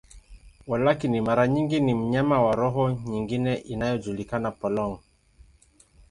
Walakini, mara nyingi ni mnyama wa roho nyingine inayojulikana, polong.